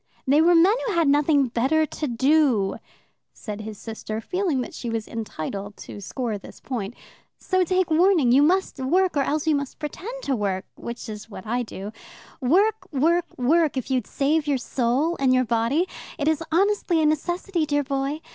"They were men who had nothing better to do," said his sister, feeling that she was entitled to score this point. "So take warning: you must work, or else you must pretend to work, which is what I do. Work, work, work if you'd save your soul and your body. It is honestly a necessity, dear boy.